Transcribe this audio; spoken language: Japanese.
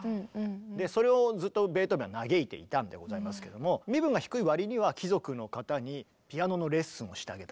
でそれをずっとベートーベンは嘆いていたんでございますけども身分が低い割には貴族の方にピアノのレッスンをしてあげたりとか。